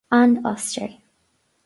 An Ostair